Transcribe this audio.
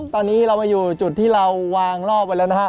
ตอนนี้เรามาอยู่จุดที่เราวางรอบไว้แล้วนะฮะ